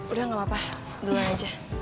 udah gak apa apa doang aja